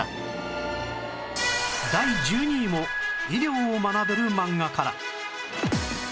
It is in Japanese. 第１２位も医療を学べる漫画から